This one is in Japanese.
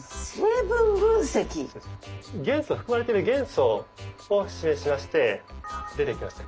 含まれてる元素を示しまして出てきました。